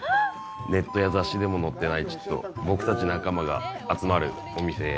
ネットや雑誌でも載ってない僕たち仲間が集まるお店へ。